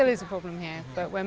tapi kami sedang berkembang